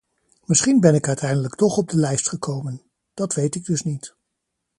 Misschien ben ik uiteindelijk toch op de lijst gekomen: dat weet ik dus niet.